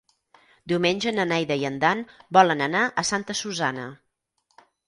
Diumenge na Neida i en Dan volen anar a Santa Susanna.